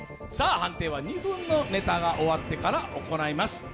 判定は２分のネタが終わってから行います。